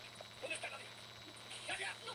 Yo pienso que mientras hay vida hay lucha.